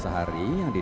seluruh full ini